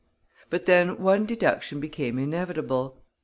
But then one deduction became inevitable.